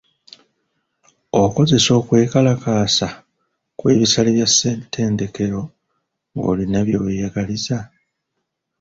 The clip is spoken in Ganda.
Okozesa okwekalakaasa kw'ebisale bya ssetendekero ng'olina bye weyagaliza?